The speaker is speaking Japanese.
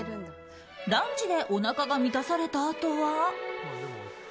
ランチでおなかが満たされたあとは。